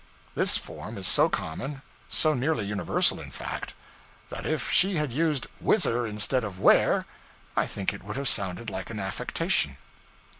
This form is so common so nearly universal, in fact that if she had used 'whither' instead of 'where,' I think it would have sounded like an affectation.